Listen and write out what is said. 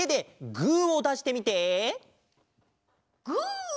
グー！